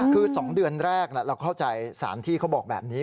คือ๒เดือนแรกเราเข้าใจสารที่เขาบอกแบบนี้